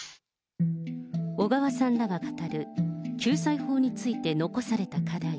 小川さんらが語る、救済法について残された課題。